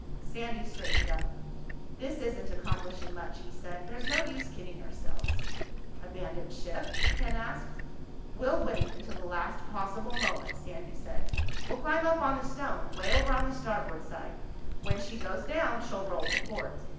Sandy straightened up. "This isn't accomplishing much," he said. "There's no use kidding ourselves." "Abandon ship?" Ken asked. "We'll wait until the last possible moment," Sandy said. "We'll climb up on the stone—way over on the starboard side. When she goes down, she'll roll to port.